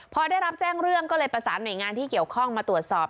พอได้รับแจ้งเรื่องก็เลยประสานหน่วยงานที่เกี่ยวข้องมาตรวจสอบ